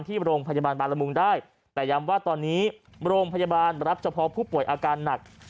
ที่โรงพยาบาลบาลมุงได้แต่ย้ำว่าตอนนี้โรงพยาบาลรับเฉพาะผู้ป่วยอาการหนัก